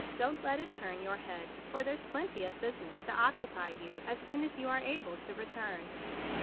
Don't let it turn your head, for there's plenty of business to occupy you as soon as you are able to return.